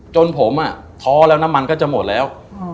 จนผมท้อแล้วน้ำมันก็จะหมดแล้ว